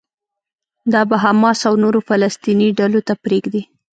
دا به حماس او نورو فلسطيني ډلو ته پرېږدي.